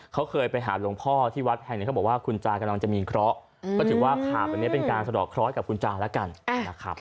เฮ้ยพร้อมแล้วหลักกาหน้า